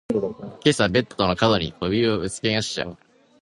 今朝ベッドの角に小指をぶつけました。